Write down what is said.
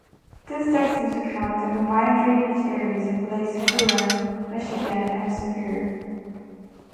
This takes into account the combined drainage areas of Lakes Huron, Michigan, and Superior.